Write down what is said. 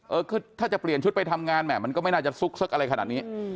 เออคือถ้าจะเปลี่ยนชุดไปทำงานแห่มันก็ไม่น่าจะซุกซึกอะไรขนาดนี้